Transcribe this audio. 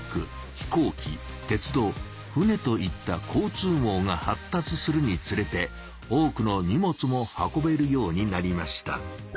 飛行機鉄道船といった交通網が発達するにつれて多くの荷物も運べるようになりました。